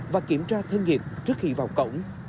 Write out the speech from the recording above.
và kiểm tra thân nghiệp trước khi vào cổng